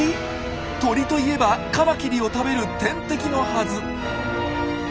鳥といえばカマキリを食べる天敵のはず。